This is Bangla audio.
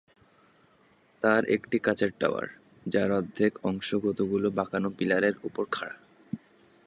তার একটি কাচের টাওয়ার, যার অর্ধেক অংশ কতগুলো বাঁকানো পিলারের ওপর খাড়া।